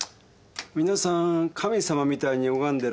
皆さん神様みたいに拝んでらっしゃる。